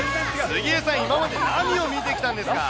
杉江さん、今まで何を見てきたんですか。